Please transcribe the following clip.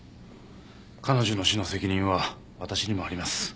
彼女の死の責任はわたしにもあります。